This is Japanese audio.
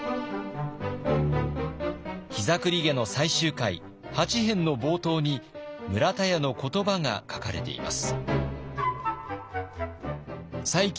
「膝栗毛」の最終回８編の冒頭に村田屋の言葉が書かれています。